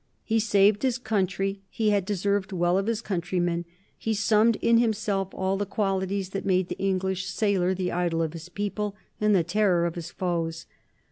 He saved his country; he had deserved well of his countrymen; he summed in himself all the qualities that made the English sailor the idol of his people and the terror of his foes.